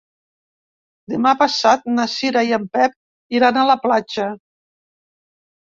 Demà passat na Cira i en Pep iran a la platja.